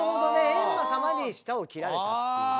閻魔様に舌を切られたっていうね。